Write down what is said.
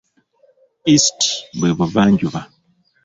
"East" bwe Buvanjuba.